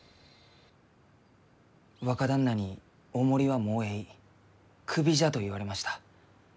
若旦那に「お守りはもうえいクビじゃ」と言われました。